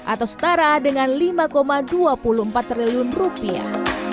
atau setara dengan lima dua puluh empat triliun rupiah